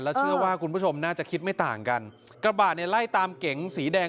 เชื่อว่าคุณผู้ชมน่าจะคิดไม่ต่างกันกระบะเนี่ยไล่ตามเก๋งสีแดง